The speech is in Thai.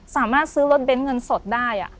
สามารถซื้อรถเน้นเงินสดได้